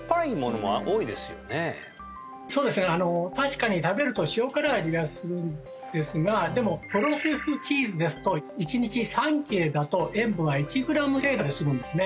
確かに食べると塩辛い味がするんですがでもプロセスチーズですと１日３切れだと塩分は１グラム程度で済むんですね